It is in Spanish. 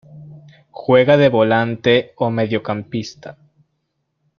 Juega de volante o mediocampista.